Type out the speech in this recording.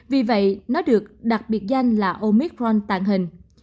vì vậy nó được đặc biệt danh là omicron tàng hình